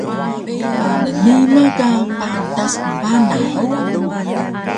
Nnima ka patas embanah hug?